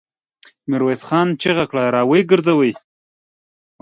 ميرويس خان چيغه کړه! را ويې ګرځوئ!